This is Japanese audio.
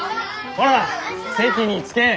こら席に着け！